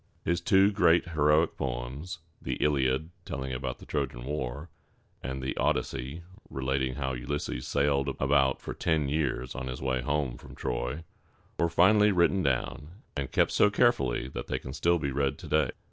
His two great heroic poems the Iliad, telling all about the Trojan War, and the Od´ys sey, relating how Ulysses sailed about for ten years on his way home from Troy were finally written down, and kept so carefully that they can still be read to day.